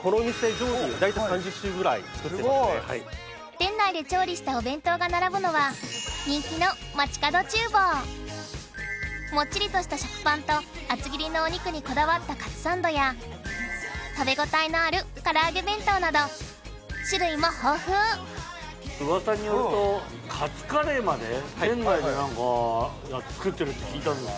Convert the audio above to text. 店内で調理したお弁当が並ぶのは人気のもっちりとした食パンと厚切りのお肉にこだわったカツサンドや食べ応えのあるから揚げ弁当など種類も豊富ウワサによるとカツカレーまで店内で作ってるって聞いたんですけど。